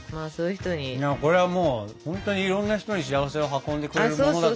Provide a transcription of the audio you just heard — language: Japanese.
これはもうほんとにいろんな人に幸せを運んでくれるものだと思う。